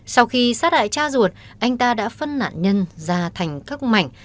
sau khi sát hại cha ruột anh ta đã phân nạn nhân ra thành các mảnh